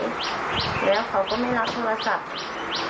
แล้วเขาก็ไม่รับโทรศัพท์